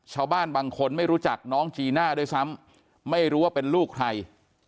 ชาวบ้านบางคนไม่รู้จักน้องจีน่าด้วยซ้ำไม่รู้ว่าเป็นลูกใคร